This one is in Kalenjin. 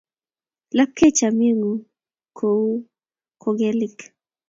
Lapkei chamyengung ko u kokelik